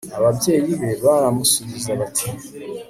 ababyeyi be baramusubiza bati